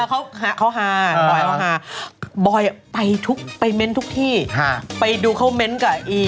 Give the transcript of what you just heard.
เออเขาหาเขาหาบอยอ่ะไปทุกไปเม้นท์ทุกที่ฮะไปดูเขาเม้นท์กับอี